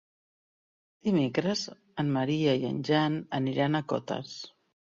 Dimecres en Maria i en Jan aniran a Cotes.